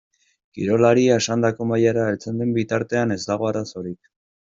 Kirolaria esandako mailara heltzen den bitartean ez dago arazorik.